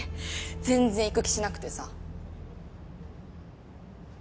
全然行く気しなくてさ。